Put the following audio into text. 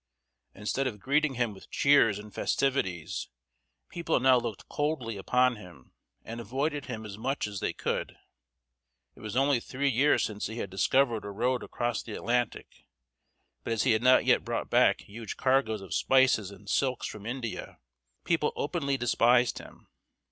Instead of greeting him with cheers and festivities, people now looked coldly upon him and avoided him as much as they could. It was only three years since he had discovered a road across the Atlantic; but as he had not yet brought back huge cargoes of spices and silks from India, people openly despised him.